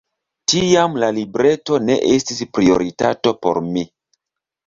Tiam la libreto ne estis prioritato por mi.